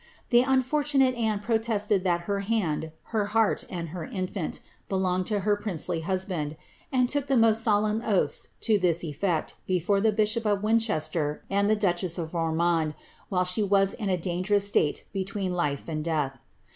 The unfortunate Anne protested that her hand, her heart, and her infant, belonged to her princely husband, and took the most solemn oaths to this effect, before the bishop of Winchester and the duchess of Ormonde, while she was in a dangerous suite between life and death.